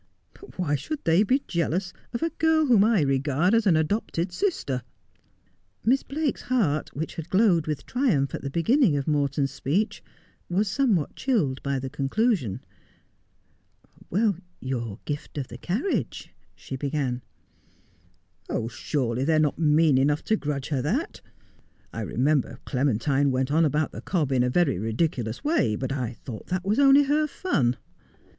But why should they be jealous of a girl whom I regard as an adopted sister ?' Miss Blake's heart, which had glowed with triumph at the beginning of Morton's speech, was somewhat chilled by the conclusion. ' Your gift of the carriage' she began. ' Surely they are not mean enough to grudge her that. I remember Clementine went on aboiit the cob in a very ridiculous way, but I thought that was only her fun.'